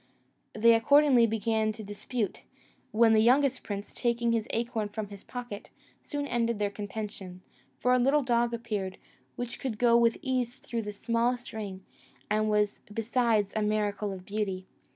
They accordingly began to dispute; when the youngest prince, taking his acorn from his pocket, soon ended their contention; for a little dog appeared, which could with ease go through the smallest ring, and was besides a miracle of beauty.